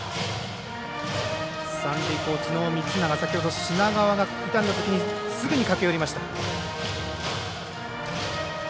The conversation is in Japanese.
三塁コーチの満永先ほど品川が痛んだときにすぐに駆け寄りました。